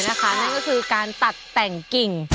นั่นก็คือการตัดแต่งกิ่ง